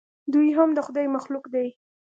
دوى هم د خداى مخلوق دي.